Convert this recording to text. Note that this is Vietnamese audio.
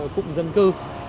cụm dân cư